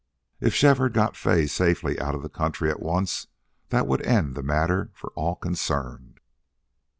If Shefford got Fay safely out of the country at once that would end the matter for all concerned.